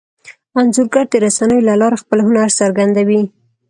انځورګر د رسنیو له لارې خپل هنر څرګندوي.